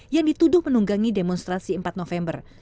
yang dituduh menunggangi demonstrasi empat november